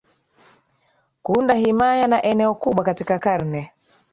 kuunda himaya na eneo kubwa Katika karne